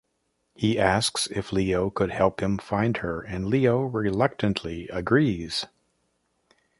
He asks if Leo could help him find her and Leo reluctantly agrees.